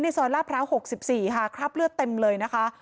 ในซอยล่าพร้าวหกสิบสี่ค่ะคราบเลือดเต็มเลยนะคะ